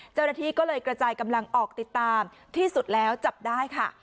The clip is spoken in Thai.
เจ้าหน้าที่ก็เลยกระจายกำลังออกติดตามที่สุดแล้วจับได้ค่ะ